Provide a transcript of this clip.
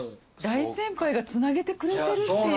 大先輩がつなげてくれてるっていう。